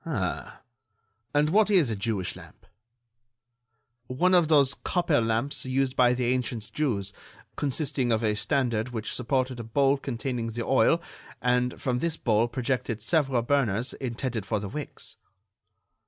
"Ah!... And what is a Jewish lamp?" "One of those copper lamps used by the ancient Jews, consisting of a standard which supported a bowl containing the oil, and from this bowl projected several burners intended for the wicks."